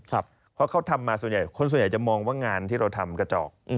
เพราะเขาทำมาส่วนใหญ่คนส่วนใหญ่จะมองว่างานที่เราทำกระจอก